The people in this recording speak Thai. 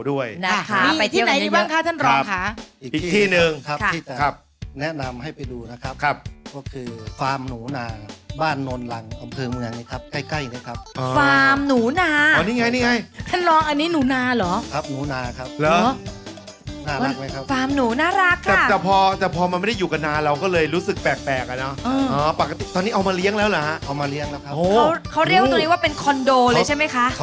วันนี้เจ้าบ้านให้การต้อนรับเรายังอบอุ่นเลยค่ะ